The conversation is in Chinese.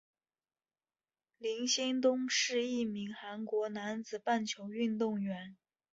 林仙东是一名韩国男子棒球运动员。